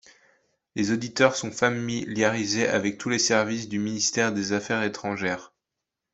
Les auditeurs sont familiarisés avec tous les services du ministère des affaires étrangères.